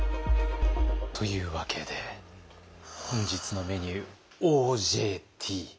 というわけで本日のメニュー「ＯＪＴ」。